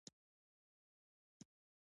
د کارګرانو شور او ځوږ هر خوا اوریدل کیده.